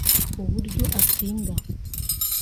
uburyo atsinda